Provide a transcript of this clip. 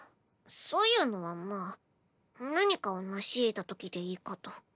そういうのはまあ何かを成しえたときでいいかと。